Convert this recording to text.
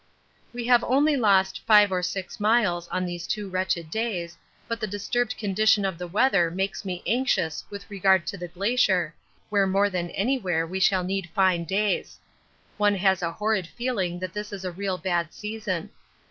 We have only lost 5 or 6 miles on these two wretched days, but the disturbed condition of the weather makes me anxious with regard to the Glacier, where more than anywhere we shall need fine days. One has a horrid feeling that this is a real bad season.